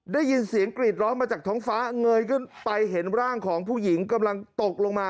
ได้ยินเสียงกรีดร้องมาจากท้องฟ้าเงยขึ้นไปเห็นร่างของผู้หญิงกำลังตกลงมา